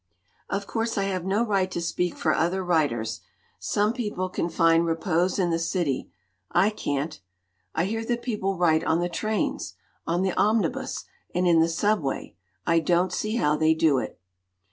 "Of course I have no right to speak for other writers. Some people can find repose in the city I can't. I hear that people write on the trains, on the omnibus, and in the Subway I don't see how they do it!"